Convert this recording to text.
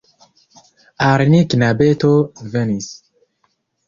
Al ni knabeto venis!